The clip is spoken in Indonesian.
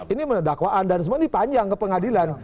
ini dakwaan dan semua ini panjang ke pengadilan